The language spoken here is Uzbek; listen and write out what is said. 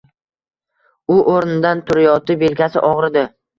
U o‘rnidan turayotib yelkasi og’ridi.